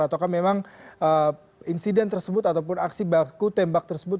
ataukah memang insiden tersebut ataupun aksi baku tembak tersebut